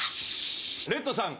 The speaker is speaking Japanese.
「レッドさん